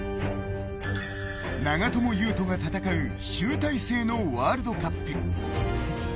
長友佑都が戦う集大成のワールドカップ。